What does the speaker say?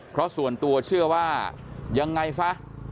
เพราะส่วนตัวเชื่อว่ายังไงซะ